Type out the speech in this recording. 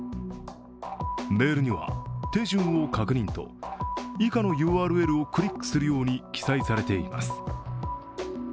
メールには、手順を確認と以下のＵＲＬをクリックするように記載されています。